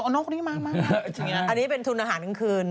อันนี้เป็นทุนอาหารตื่นคืน